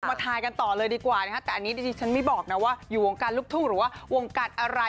มาทายกันต่อเลยดีกว่านะคะแต่อันนี้ดิฉันไม่บอกนะว่าอยู่วงการลูกทุ่งหรือว่าวงการอะไร